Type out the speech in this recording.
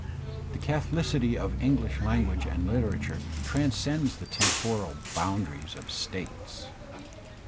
The » catholicity of English language and Uterature transcends* the temporal boundaries of states.